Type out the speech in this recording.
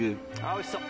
おいしそう。